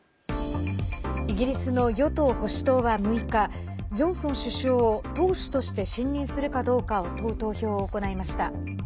イギリスの与党保守党は６日、ジョンソン首相を党首として信任するかどうかを問う投票を行いました。